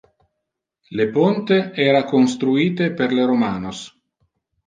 Le ponte era construite per le romanos.